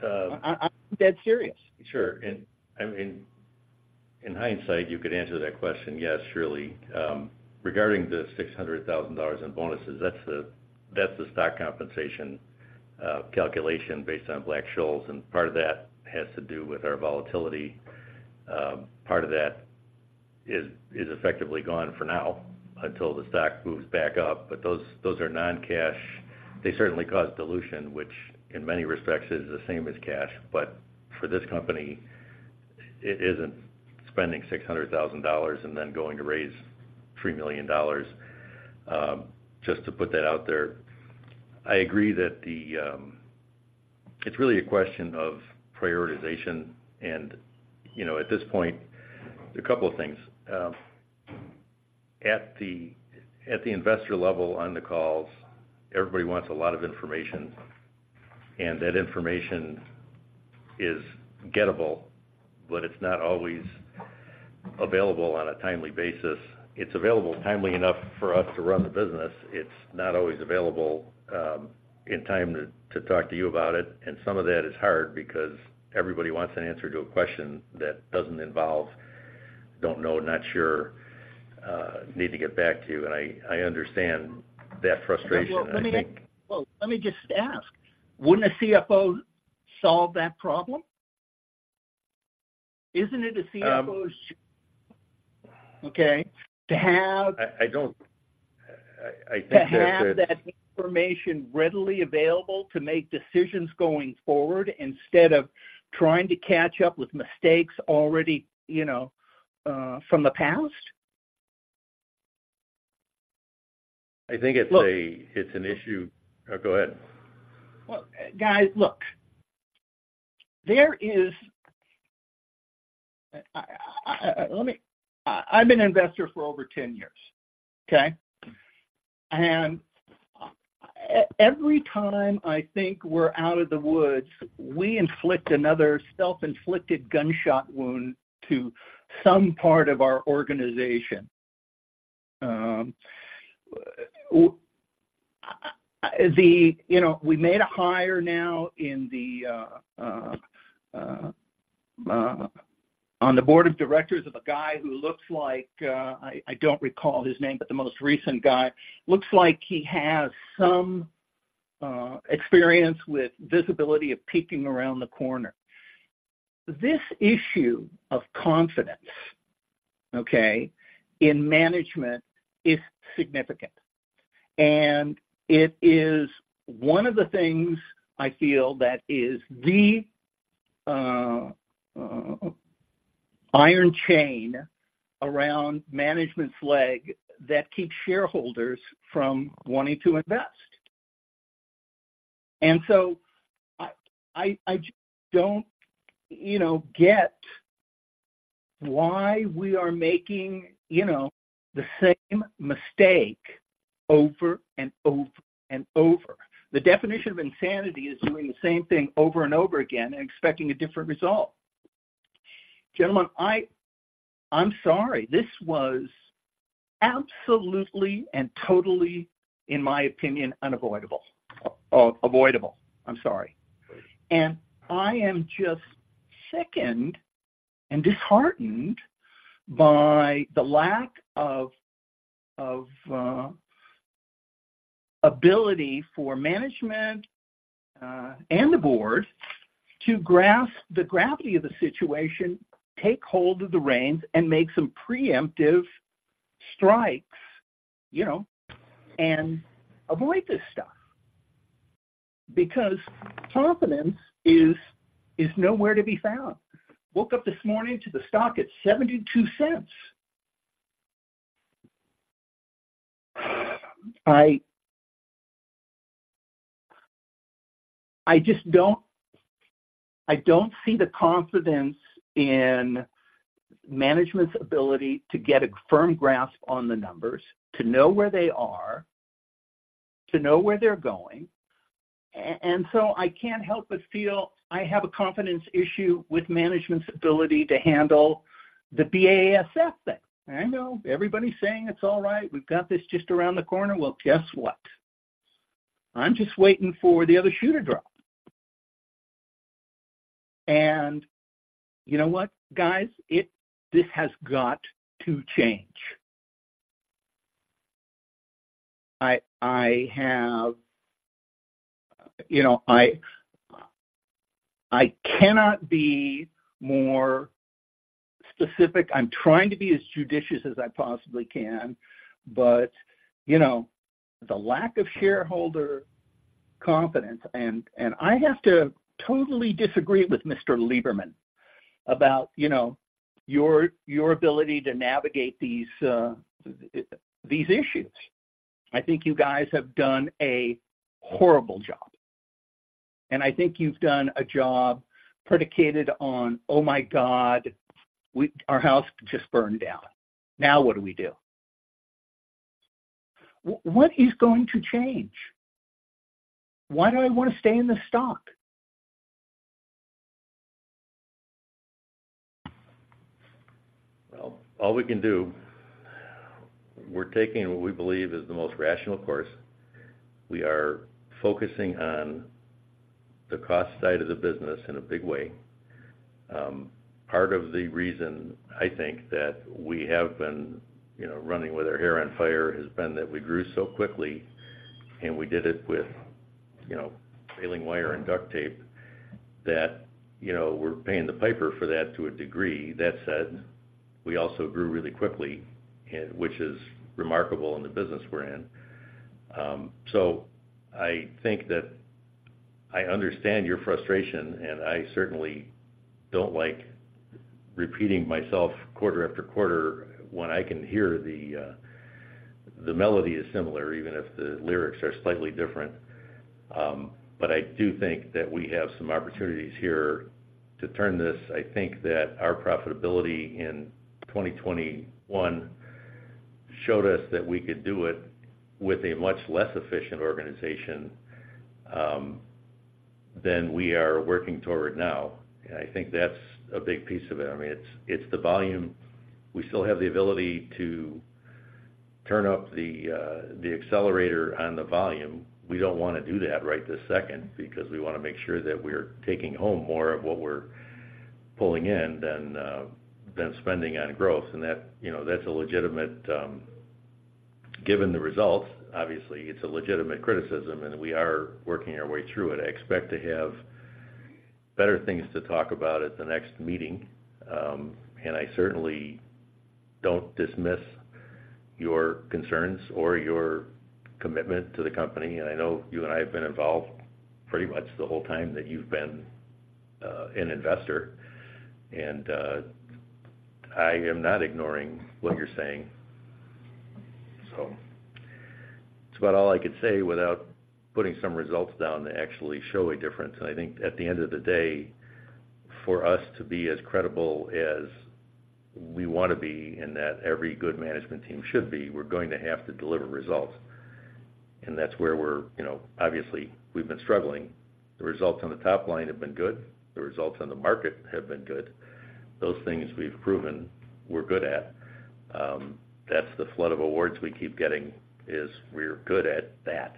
Um- I'm dead serious. Sure. And, I mean, in hindsight, you could answer that question, yes, surely. Regarding the $600,000 in bonuses, that's the stock compensation calculation based on Black-Scholes, and part of that has to do with our volatility. Part of that is effectively gone for now until the stock moves back up, but those are non-cash. They certainly cause dilution, which in many respects is the same as cash, but for this company, it isn't spending $600,000 and then going to raise $3 million, just to put that out there. I agree that the... It's really a question of prioritization, and, you know, at this point, a couple of things. At the investor level on the calls, everybody wants a lot of information, and that information is gettable, but it's not always available on a timely basis. It's available timely enough for us to run the business. It's not always available in time to talk to you about it, and some of that is hard because everybody wants an answer to a question that doesn't involve, "Don't know, not sure, need to get back to you." And I understand that frustration. I think- Well, let me just ask, wouldn't a CFO solve that problem? Isn't it a CFO's- Um- Okay, to have- I don't... I think that the- To have that information readily available to make decisions going forward instead of trying to catch up with mistakes already, you know, from the past? I think it's. Look- It's an issue... Oh, go ahead. Well, guys, look, I'm an investor for over 10 years, okay? And every time I think we're out of the woods, we inflict another self-inflicted gunshot wound to some part of our organization. You know, we made a hire now on the board of directors of a guy who looks like I don't recall his name, but the most recent guy looks like he has some experience with visibility of peaking around the corner. This issue of confidence, okay, in management is significant, and it is one of the things I feel that is the iron chain around management's leg that keeps shareholders from wanting to invest. So I just don't, you know, get why we are making, you know, the same mistake over and over and over. The definition of insanity is doing the same thing over and over again and expecting a different result. Gentlemen, I'm sorry, this was absolutely and totally, in my opinion, unavoidable. Avoidable. I'm sorry. I am just sickened and disheartened by the lack of ability for management and the board to grasp the gravity of the situation, take hold of the reins, and make some preemptive strikes, you know, and avoid this stuff. Because confidence is nowhere to be found. Woke up this morning to the stock at $0.72. I just don't see the confidence in management's ability to get a firm grasp on the numbers, to know where they are, to know where they're going. And so I can't help but feel I have a confidence issue with management's ability to handle the BASF thing. I know everybody's saying, "It's all right. We've got this just around the corner." Well, guess what? I'm just waiting for the other shoe to drop. And you know what, guys? This has got to change. I have, you know, I cannot be more specific. I'm trying to be as judicious as I possibly can, but, you know, the lack of shareholder confidence, and, and I have to totally disagree with Mr. Lieberman about, you know, your ability to navigate these, these issues. I think you guys have done a horrible job, and I think you've done a job predicated on, "Oh, my God, our house just burned down. Now what do we do?" What is going to change? Why do I want to stay in this stock? Well, all we can do, we're taking what we believe is the most rational course. We are focusing on the cost side of the business in a big way. Part of the reason I think that we have been, you know, running with our hair on fire has been that we grew so quickly, and we did it with, you know, baling wire and duct tape, that, you know, we're paying the piper for that to a degree. That said, we also grew really quickly, and which is remarkable in the business we're in. So I think that I understand your frustration, and I certainly don't like repeating myself quarter after quarter when I can hear the, the melody is similar, even if the lyrics are slightly different. But I do think that we have some opportunities here to turn this. I think that our profitability in 2021 showed us that we could do it with a much less efficient organization than we are working toward now, and I think that's a big piece of it. I mean, it's the volume. We still have the ability to turn up the accelerator on the volume. We don't wanna do that right this second because we wanna make sure that we're taking home more of what we're pulling in than spending on growth. And that, you know, that's a legitimate. Given the results, obviously, it's a legitimate criticism, and we are working our way through it. I expect to have better things to talk about at the next meeting, and I certainly don't dismiss your concerns or your commitment to the company. I know you and I have been involved pretty much the whole time that you've been an investor, and I am not ignoring what you're saying. So it's about all I could say without putting some results down to actually show a difference. And I think at the end of the day, for us to be as credible as we want to be and that every good management team should be, we're going to have to deliver results. And that's where we're, you know, obviously, we've been struggling. The results on the top line have been good. The results on the market have been good. Those things we've proven we're good at. That's the flood of awards we keep getting, is we're good at that.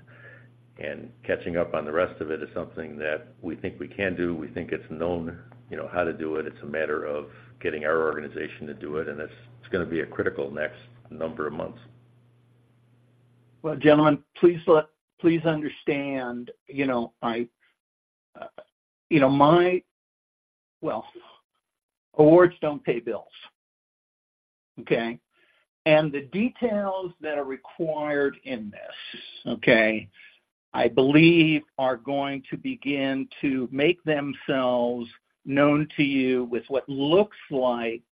And catching up on the rest of it is something that we think we can do. We think it's known, you know, how to do it. It's a matter of getting our organization to do it, and it's gonna be a critical next number of months. Well, gentlemen, please understand, you know, I, you know, my. Well, awards don't pay bills, okay? And the details that are required in this, okay, I believe are going to begin to make themselves known to you with what looks like,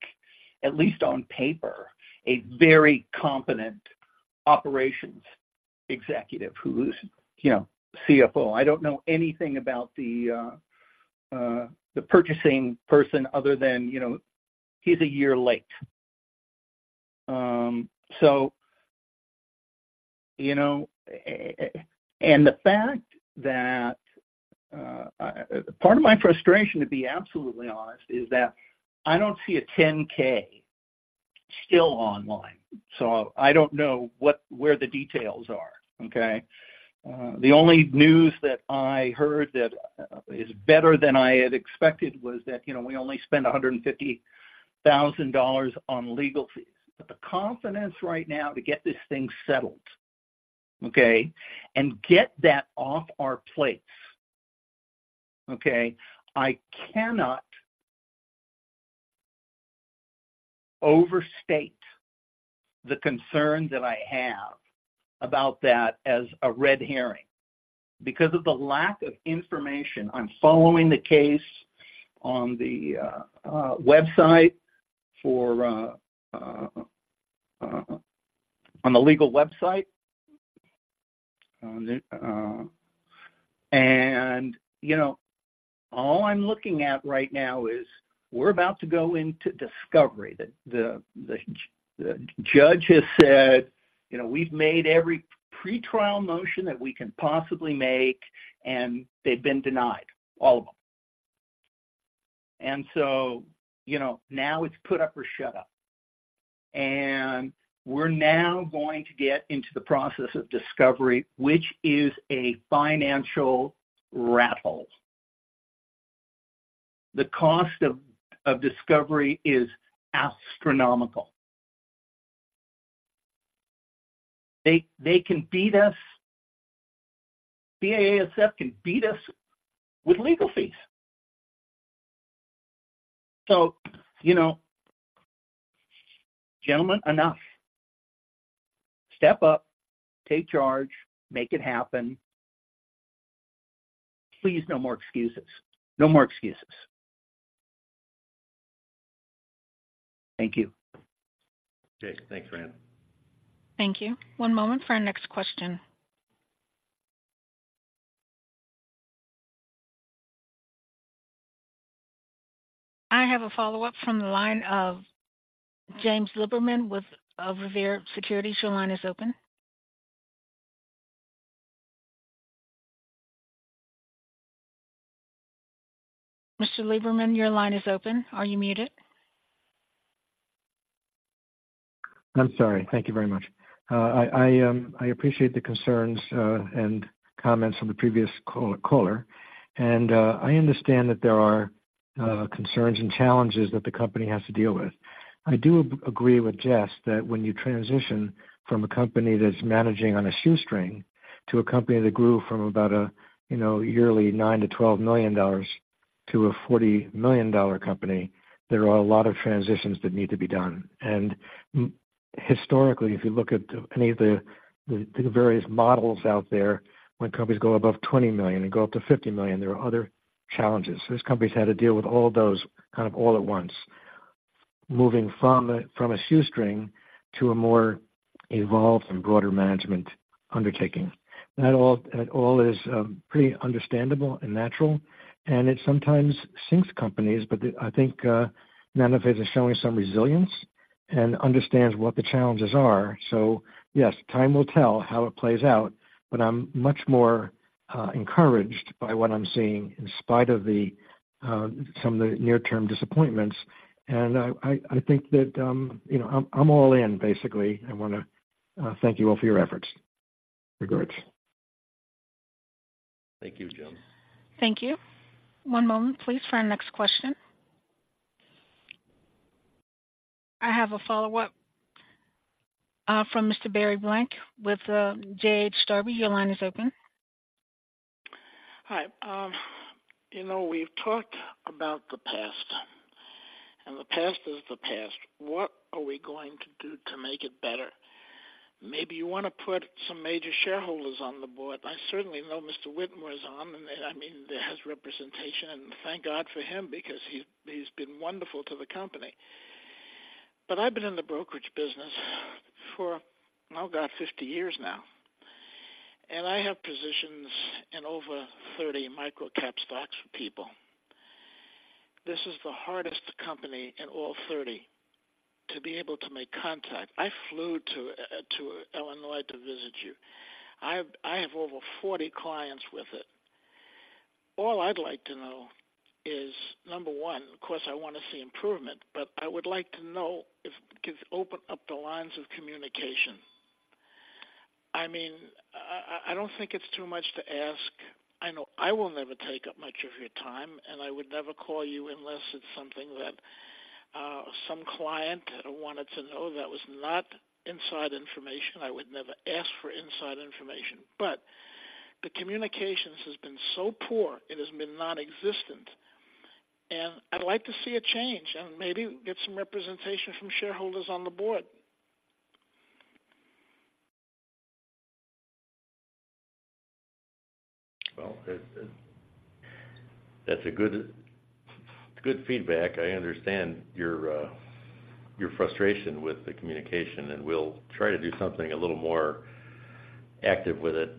at least on paper, a very competent operations executive who's, you know, CFO. I don't know anything about the, uh, the purchasing person other than, you know, he's a year late. So, you know, and the fact that. Part of my frustration, to be absolutely honest, is that I don't see a 10-K still online, so I don't know what where the details are, okay? The only news that I heard that is better than I had expected was that, you know, we only spent $150,000 on legal fees. But the confidence right now to get this thing settled, okay, and get that off our plates, okay, I cannot overstate the concern that I have about that as a red herring because of the lack of information. I'm following the case on the website for on the legal website. And, you know, all I'm looking at right now is we're about to go into discovery. That the judge has said, you know, we've made every pretrial motion that we can possibly make, and they've been denied, all of them. And so, you know, now it's put up or shut up. And we're now going to get into the process of discovery, which is a financial rattle. The cost of discovery is astronomical. They can beat us. BASF can beat us with legal fees. So, you know, gentlemen, enough. Step up, take charge, make it happen. Please, no more excuses. No more excuses. Thank you. Okay, thanks, Rand. Thank you. One moment for our next question. I have a follow-up from the line of James Lieberman with Revere Securities. Your line is open. Mr. Lieberman, your line is open. Are you muted? I'm sorry. Thank you very much. I appreciate the concerns and comments from the previous caller. I understand that there are concerns and challenges that the company has to deal with. I do agree with Jess that when you transition from a company that's managing on a shoestring to a company that grew from about a, you know, yearly $9-$12 million to a $40 million company, there are a lot of transitions that need to be done. Historically, if you look at any of the various models out there, when companies go above $20 million and go up to $50 million, there are other challenges. So these companies had to deal with all those kind of all at once, moving from a shoestring to a more evolved and broader management undertaking. That all is pretty understandable and natural, and it sometimes sinks companies, but I think Nanophase is showing some resilience and understands what the challenges are. So yes, time will tell how it plays out, but I'm much more encouraged by what I'm seeing in spite of some of the near-term disappointments. And I think that, you know, I'm all in. Basically, I want to thank you all for your efforts. Regards. Thank you, Jim. Thank you. One moment, please, for our next question. I have a follow-up from Mr. Barry Blank with DH Darby. Your line is open. Hi. You know, we've talked about the past, and the past is the past. What are we going to do to make it better? Maybe you want to put some major shareholders on the board. I certainly know Mr. Whitmore is on, and I mean, that has representation, and thank God for him because he's been wonderful to the company. But I've been in the brokerage business for, oh, God, 50 years now, and I have positions in over 30 microcap stocks for people. This is the hardest company in all 30 to be able to make contact. I flew to Illinois to visit you. I have over 40 clients with it. All I'd like to know is, number one, of course, I want to see improvement, but I would like to know if can open up the lines of communication. I mean, I don't think it's too much to ask. I know I will never take up much of your time, and I would never call you unless it's something that some client wanted to know that was not inside information. I would never ask for inside information. But the communications has been so poor, it has been nonexistent, and I'd like to see a change and maybe get some representation from shareholders on the board. Well, that's a good, good feedback. I understand your, your frustration with the communication, and we'll try to do something a little more active with it.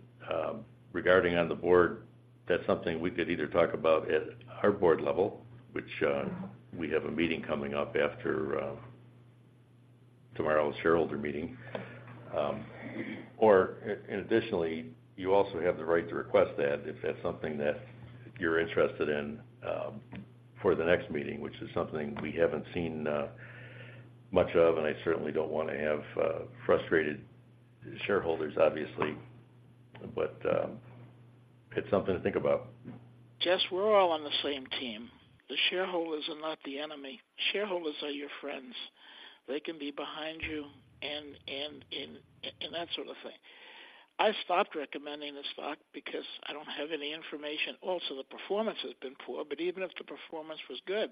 Regarding on the board, that's something we could either talk about at our board level, which, we have a meeting coming up after, tomorrow's shareholder meeting. Or and additionally, you also have the right to request that if that's something that you're interested in, for the next meeting, which is something we haven't seen, much of, and I certainly don't want to have, frustrated shareholders, obviously, but, it's something to think about. Jess, we're all on the same team. The shareholders are not the enemy. Shareholders are your friends. They can be behind you and, and, and, and that sort of thing. I stopped recommending the stock because I don't have any information. Also, the performance has been poor, but even if the performance was good,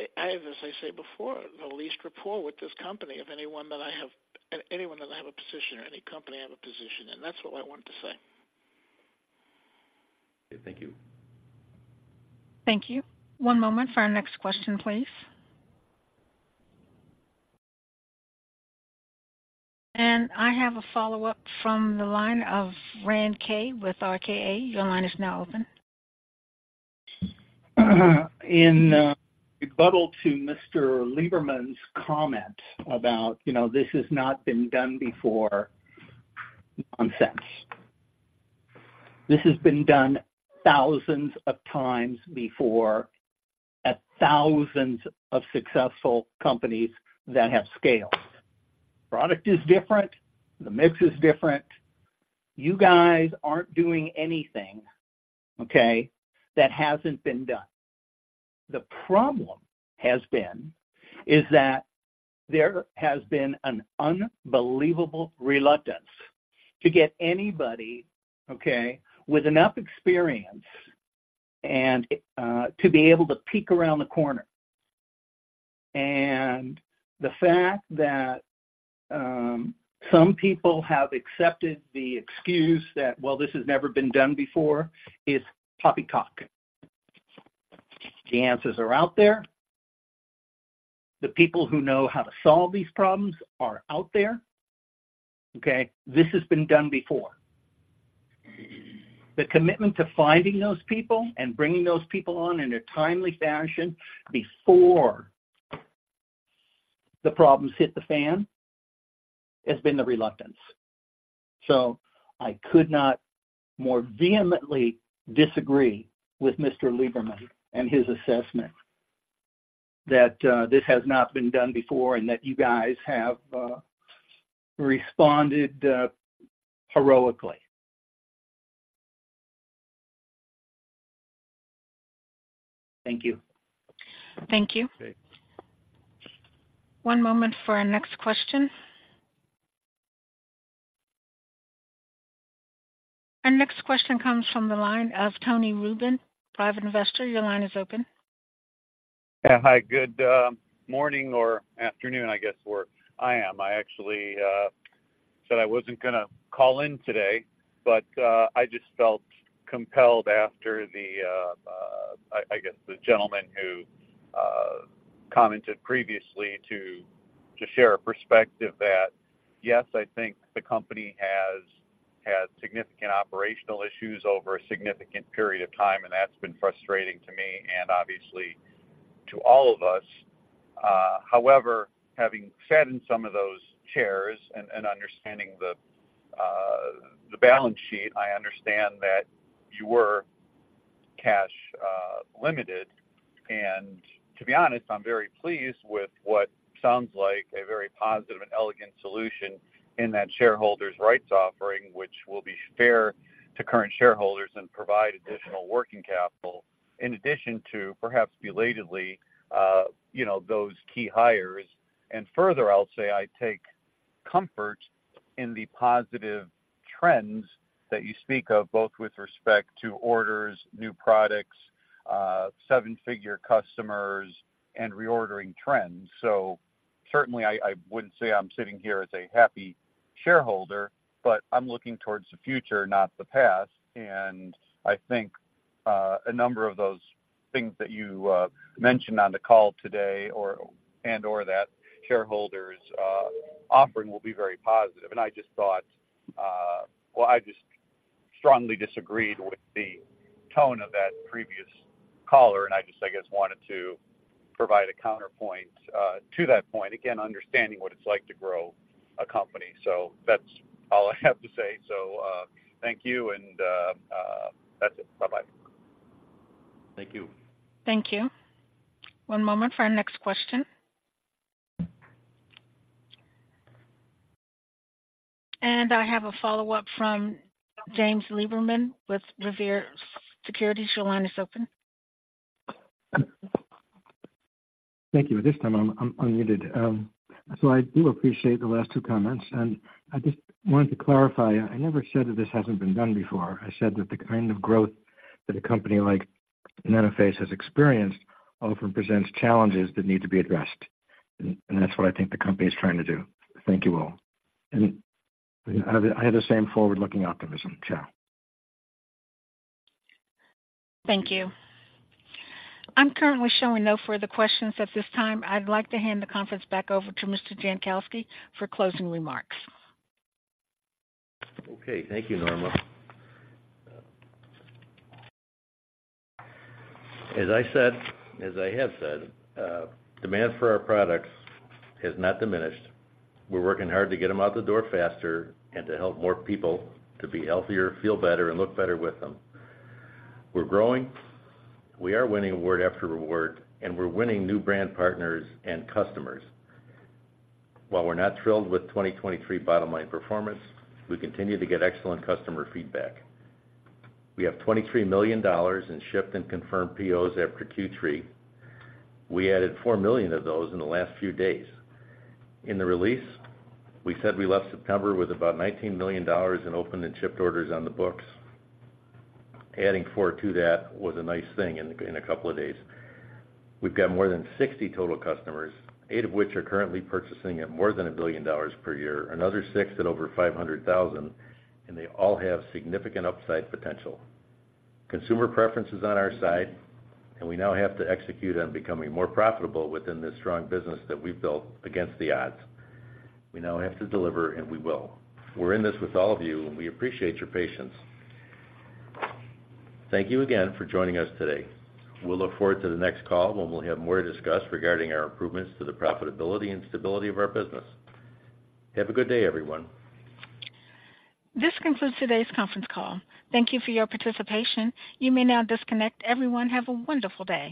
I, I have, as I said before, the least rapport with this company of anyone that I have, anyone that I have a position or any company I have a position in. That's what I wanted to say. Thank you. Thank you. One moment for our next question, please. I have a follow-up from the line of Rand K with RKA. Your line is now open. In rebuttal to Mr. Lieberman's comment about, you know, this has not been done before, nonsense. This has been done thousands of times before at thousands of successful companies that have scaled. Product is different. The mix is different. You guys aren't doing anything, okay, that hasn't been done. The problem has been, is that there has been an unbelievable reluctance to get anybody, okay, with enough experience and to be able to peek around the corner. And the fact that some people have accepted the excuse that, well, this has never been done before, is poppycock. The answers are out there. The people who know how to solve these problems are out there, okay? This has been done before. The commitment to finding those people and bringing those people on in a timely fashion before the problems hit the fan, has been the reluctance. I could not more vehemently disagree with Mr. Lieberman and his assessment that this has not been done before, and that you guys have responded heroically. Thank you. Thank you. One moment for our next question. Our next question comes from the line of Tony Rubin, private investor. Your line is open. Yeah. Hi, good morning or afternoon, I guess, where I am. I actually said I wasn't gonna call in today, but I just felt compelled after the, I guess, the gentleman who commented previously to share a perspective that, yes, I think the company has had significant operational issues over a significant period of time, and that's been frustrating to me and obviously to all of us. However, having sat in some of those chairs and understanding the balance sheet, I understand that you were cash limited. And to be honest, I'm very pleased with what sounds like a very positive and elegant solution in that shareholders' rights offering, which will be fair to current shareholders and provide additional working capital in addition to, perhaps belatedly, you know, those key hires. And further, I'll say I take comfort in the positive trends that you speak of, both with respect to orders, new products, seven-figure customers, and reordering trends. So certainly I wouldn't say I'm sitting here as a happy shareholder, but I'm looking towards the future, not the past. And I think a number of those things that you mentioned on the call today or and or that shareholders offering will be very positive. And I just thought, well, I just strongly disagreed with the tone of that previous caller, and I just, I guess, wanted to provide a counterpoint to that point. Again, understanding what it's like to grow a company. So that's all I have to say. So thank you, and that's it. Bye-bye. Thank you. Thank you. One moment for our next question. And I have a follow-up from James Lieberman with Revere Securities. Your line is open. Thank you. This time I'm unmuted. So I do appreciate the last two comments, and I just wanted to clarify, I never said that this hasn't been done before. I said that the kind of growth that a company like Nanophase has experienced often presents challenges that need to be addressed, and that's what I think the company is trying to do. Thank you all. And I have the same forward-looking optimism. Ciao. Thank you. I'm currently showing no further questions at this time. I'd like to hand the conference back over to Mr. Jankowski for closing remarks. Okay. Thank you, Norma. As I said, as I have said, demand for our products has not diminished. We're working hard to get them out the door faster and to help more people to be healthier, feel better, and look better with them. We're growing, we are winning award after reward, and we're winning new brand partners and customers. While we're not thrilled with 2023 bottom line performance, we continue to get excellent customer feedback. We have $23 million in shipped and confirmed POs after Q3. We added $4 million of those in the last few days. In the release, we said we left September with about $19 million in open and shipped orders on the books. Adding 4 to that was a nice thing in a couple of days. We've got more than 60 total customers, 8 of which are currently purchasing at more than $1 billion per year, another 6 at over $500,000, and they all have significant upside potential. Consumer preference is on our side, and we now have to execute on becoming more profitable within this strong business that we've built against the odds. We now have to deliver, and we will. We're in this with all of you, and we appreciate your patience. Thank you again for joining us today. We'll look forward to the next call when we'll have more to discuss regarding our improvements to the profitability and stability of our business. Have a good day, everyone. This concludes today's conference call. Thank you for your participation. You may now disconnect. Everyone, have a wonderful day.